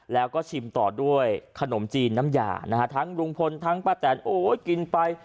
แล้วก็ชิมต่อด้วยขนมจีนน้ำยานะฮะทั้งลุงพลทั้งป้าแตนโอ้ยกินไป